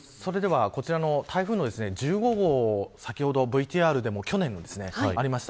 それではこちらの台風の１５号、先ほどＶＴＲでも去年のがありました。